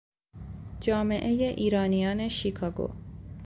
جامعهی ایرانیان شیکاگو